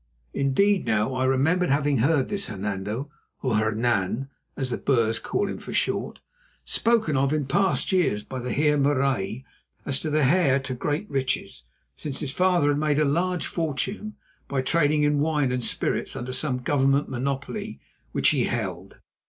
Indeed, now I remembered having heard this Hernando, or Hernan, as the Boers called him for short, spoken of in past years by the Heer Marais as the heir to great riches, since his father had made a large fortune by trading in wine and spirits under some Government monopoly which he held.